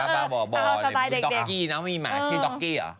มีหนูด๊อกอี้นะมีหมาที่ด๊อกอี้อ่อ